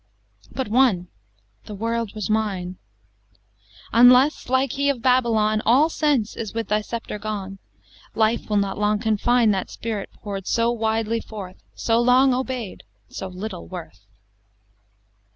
But one "The word was mine!" Unless, like he of Babylon, All sense is with thy sceptre gone, Life will not long confine That spirit pour'd so widely forth So long obey'd so little worth!